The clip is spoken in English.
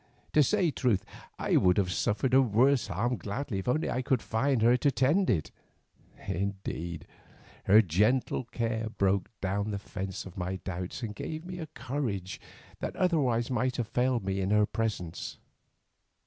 To say truth, I would have suffered a worse harm gladly, if only I could find her to tend it. Indeed, her gentle care broke down the fence of my doubts and gave me a courage that otherwise might have failed me in her presence.